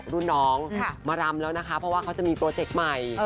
รุ่นน้องมารำแล้วนะคะเพราะว่าเขาจะมีโปรเจคใหม่